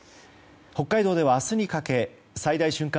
北海道では明日にかけ最大瞬間